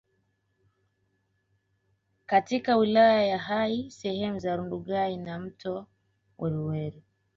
katika wilaya ya Hai sehemu za Rundugai na mto Weruweru